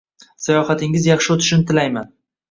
Sayohatingiz yaxshi o’tishini tilayman!